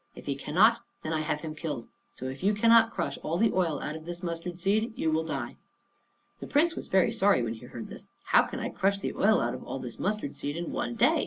If he cannot, then I have him killed. So if you cannot crush all the oil out of this mustard seed you will die." The Prince was very sorry when he heard this. "How can I crush the oil out of all this mustard seed in one day?"